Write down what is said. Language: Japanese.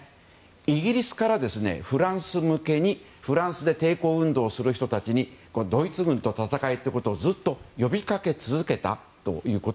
イギリスからフランス向けにフランスで抵抗運動をする人たちにドイツ軍と戦えということをずっと呼びかけ続けたんです。